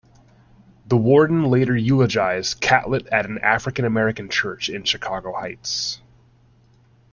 The warden later eulogized Catlett at an African-American church in Chicago Heights.